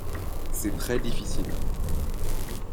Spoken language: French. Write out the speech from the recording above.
C’est très difficile.